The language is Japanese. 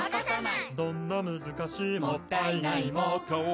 「どんな難しいもったいないも」